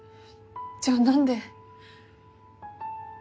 じゃあ何で。